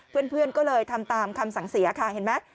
เพื่อนก็เลยทำตามคำสั่งเสียค่ะเห็นไหม